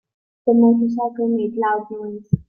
The motorcycle made loud noise.